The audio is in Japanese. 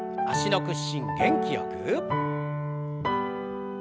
脚の屈伸元気よく。